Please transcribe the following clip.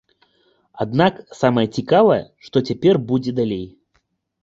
Аднак самае цікавае, што цяпер будзе далей.